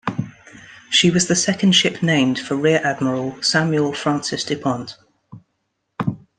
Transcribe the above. She was the second ship named for Rear Admiral Samuel Francis Du Pont.